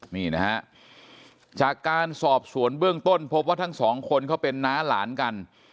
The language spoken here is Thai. นี่นะฮะจากการสอบสวนเบื้องต้นพบว่าทั้งสองคนเขาเป็นน้าหลานกัน